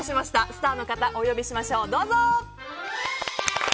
スターの方をお呼びしましょう。